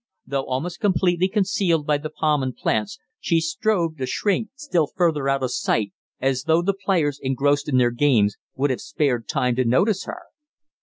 Though almost completely concealed by the palms and plants, she strove to shrink still further out of sight, as though the players, engrossed in their games, would have spared time to notice her.